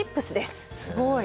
すごい。